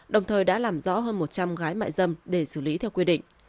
đồng thời đã làm rõ hơn một trăm linh gái mại dâm để xử lý theo quy định